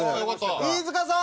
飯塚さん！